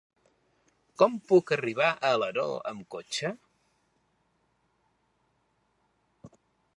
Com puc arribar a Alaró amb cotxe?